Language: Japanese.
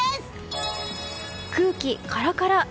空気カラカラ。